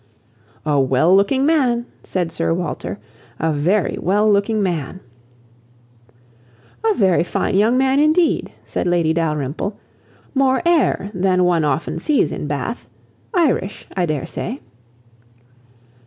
"A well looking man," said Sir Walter, "a very well looking man." "A very fine young man indeed!" said Lady Dalrymple. "More air than one often sees in Bath. Irish, I dare say."